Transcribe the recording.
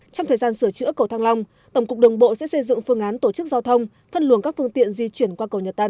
trong thời gian sửa chữa cầu thăng long tổng cục đường bộ sẽ xây dựng phương án tổ chức giao thông phân luồng các phương tiện di chuyển qua cầu nhật tân